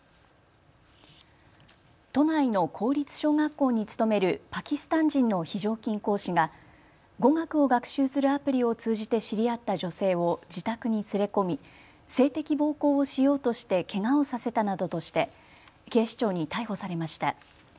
都内の公立小学校に勤めるパキスタン人の非常勤講師が語学を学習するアプリを通じて知り合った女性を自宅に連れ込み性的暴行をしようとしてけがをさせたなどとして警視庁に逮捕されました。